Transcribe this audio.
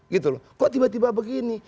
gitu loh kok tiba tiba begini